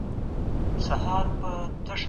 ولي د ښځو سوداګري د اقتصاد په وده کي مرسته کوي؟